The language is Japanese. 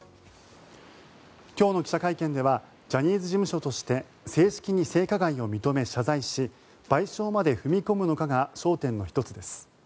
今日の記者会見ではジャニーズ事務所として正式に性加害を認め謝罪し賠償まで踏み込むのかが焦点の１つです。